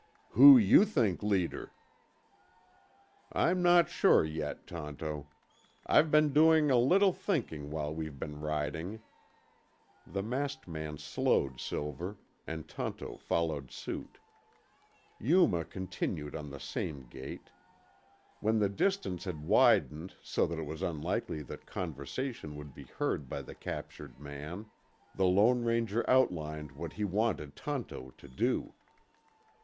"Who you think leader?" "I'm not sure yet, Tonto. I've been doing a little thinking while we've been riding." The masked man slowed Silver, and Tonto followed suit. Yuma continued on at the same gait. When the distance had widened so that it was unlikely that conversation would be heard by the captured man, the Lone Ranger outlined what he wanted Tonto to do.